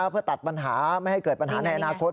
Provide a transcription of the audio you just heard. เพื่อตัดปัญหาไม่ให้เกิดปัญหาในอนาคต